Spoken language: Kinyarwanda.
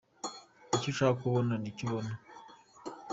Icyo ushaka kubona ni cyo ubona.